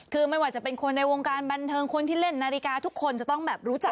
คือไม่ว่าจะเป็นคนในวงการบันเทิงคนที่เล่นนาฬิกาทุกคนจะต้องแบบรู้จัก